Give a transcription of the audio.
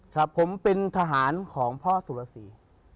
ครับผมเป็นทหารของพ่อสุรสี